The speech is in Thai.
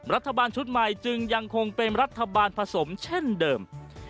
รัฐบาลชุดใหม่จึงยังคงเป็นรัฐบาลผสมเช่นเดิม